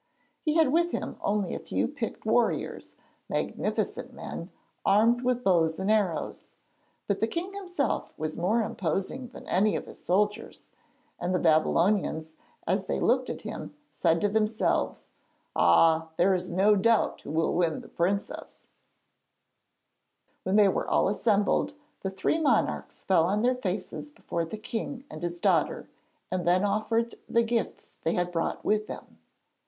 He had with him only a few picked warriors, magnificent men armed with bows and arrows; but the king himself was more imposing than any of his soldiers, and the Babylonians, as they looked at him, said to themselves: 'Ah! there is no doubt who will win the princess.' [Illustration: How The Stranger on the Unicorn arrived on the scene.] When they were all assembled, the three monarchs fell on their faces before the king and his daughter, and then offered the gifts they had brought with them.